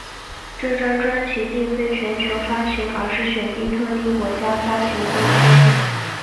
这张专辑并非全球发行而是选定特定国家发行推出。